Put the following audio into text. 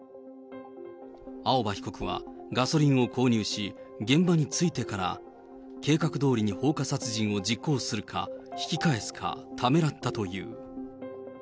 青葉被告はガソリンを購入し、現場に着いてから計画どおりに放火殺人を実行するか引き返すか、ためらったという。